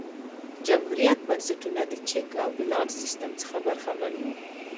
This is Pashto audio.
جمهوريت بنسټونه د چک او بیلانس سیستم څخه برخمن وو.